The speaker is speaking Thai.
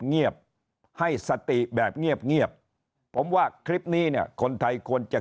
เงียบให้สติแบบเงียบผมว่าคลิปนี้เนี่ยคนไทยควรจะ